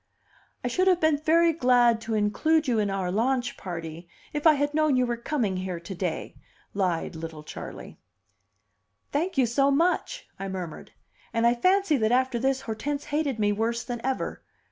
"I should have been very glad to include you in our launch party if I had known you were coming here to day," lied little Charley. "Thank you so much!" I murmured; and I fancy that after this Hortense hated me worse than ever.